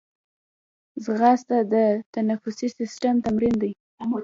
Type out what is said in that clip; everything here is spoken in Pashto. ځغاسته د تنفسي سیستم تمرین دی